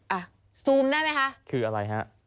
ซูมได้ไหมคะคืออะไรฮะ